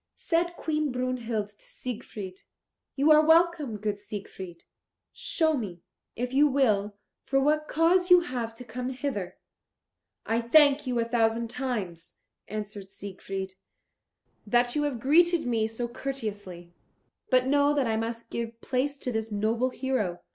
Said Queen Brunhild to Siegfried, "You are welcome, good Sir Siegfried. Show me, if you will, for what cause you have come hither." "I thank you a thousand times," answered Siegfried, "that you have greeted me so courteously, but know that I must give place to this noble hero.